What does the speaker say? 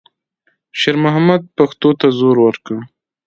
شېرمحمد پښو ته زور ورکړ.